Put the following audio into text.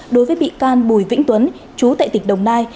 đối với bị can bùi vĩnh tuấn chú tại tỉnh đồng nai